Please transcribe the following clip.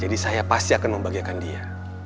jadi saya pasti akan membagikan dia